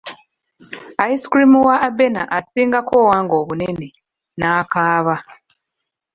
Ice cream wa Abena asingako owange obunene, n'akaaba.